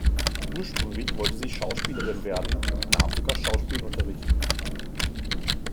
Ursprünglich wollte sie Schauspielerin werden und nahm sogar Schauspielunterricht.